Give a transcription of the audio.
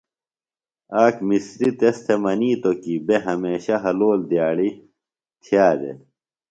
آک مسریۡ تس تھےۡ منِیتوۡ کی بےۡ ہمیشہ حلول دِیاڑی تِھیہ دےۡ۔